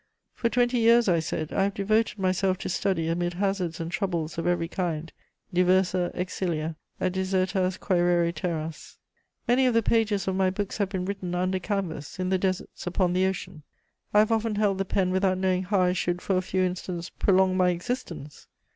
"For twenty years," I said, "I have devoted myself to study amid hazards and troubles of every kind, diversa exsilia et desertas quærere terras: many of the pages of my books have been written under canvas, in the deserts, upon the ocean; I have often held the pen without knowing how I should for a few instants prolong my existence....